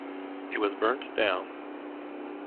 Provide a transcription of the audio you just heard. It was burnt down.